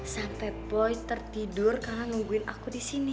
sampai boy tertidur karena nungguin aku di sini